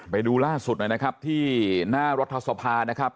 ไปดูล่าสุดหน่อยนะครับที่หน้ารัฐสภานะครับ